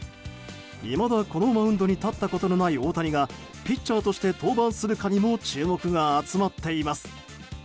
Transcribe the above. いまだこのマウンドに立ったことがない大谷がピッチャーとして登板するかにも注目が集まっています。